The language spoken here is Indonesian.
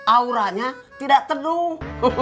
auranya tidak terdung